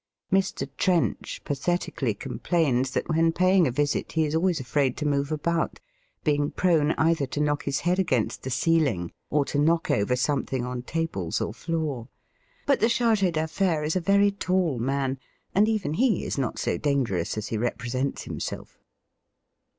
Mr. Trench pathetically com plains that when paying a visit he is always afraid to move about, being prone either to knock his head against the ceiling, or to knock over something on tables or floor. But the chargS d'affaires is a very tall man, and even he is not so dangerous as he represents himself.